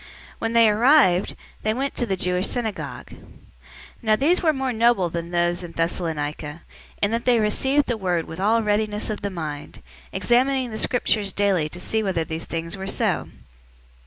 When they arrived, they went into the Jewish synagogue. 017:011 Now these were more noble than those in Thessalonica, in that they received the word with all readiness of the mind, examining the Scriptures daily to see whether these things were so.